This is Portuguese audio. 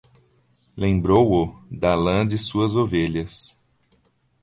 Lembrou-o da lã de suas ovelhas...